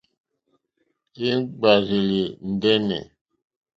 Íŋ!ɡbárzèlì ndɛ́nɛ̀.